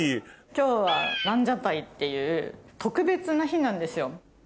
今日は蘭奢待っていう特別な日なんですよ。